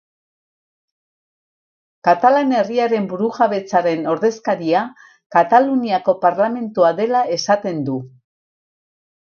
Katalan herriaren burujabetzaren ordezkaria Kataluniako Parlamentua dela esaten du.